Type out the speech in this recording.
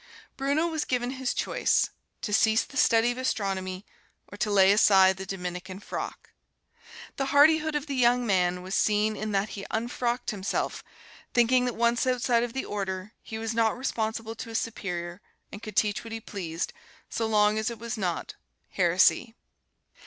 Bruno was given his choice: to cease the study of astronomy or to lay aside the Dominican frock. The hardihood of the young man was seen in that he unfrocked himself, thinking that once outside of the order he was not responsible to a superior and could teach what he pleased, so long as it was not "heresy."